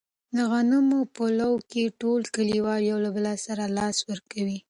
د غنمو په لو کې ټول کلیوال یو له بل سره لاس ورکوي.